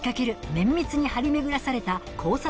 綿密に張り巡らされた考察